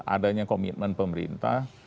adanya komitmen pemerintah